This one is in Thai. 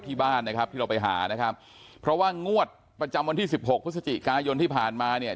ที่บ้านนะครับที่เราไปหานะครับเพราะว่างวดประจำวันที่สิบหกพฤศจิกายนที่ผ่านมาเนี่ย